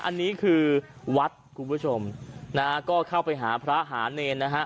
อันนี้คือวัดคุณผู้ชมนะฮะก็เข้าไปหาพระหาเนรนะฮะ